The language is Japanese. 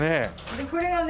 でこれがね